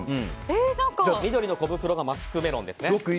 緑の小袋がマスクメロンです。